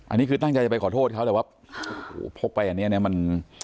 อันนี้คือตั้งใจจะไปขอโทษเขาแต่ว่าพกไปอันนี้มัน